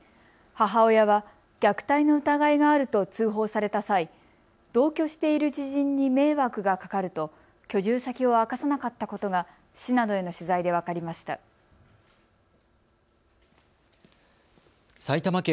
母親は虐待の疑いがあると通報された際同居している知人に迷惑がかかると居住先を明かさなかったことが市などへの取材で分かりました。